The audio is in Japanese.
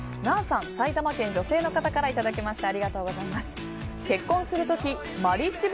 埼玉県、女性の方からいただきました。